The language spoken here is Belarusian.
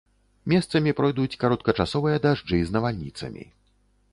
Месцамі пройдуць кароткачасовыя дажджы з навальніцамі.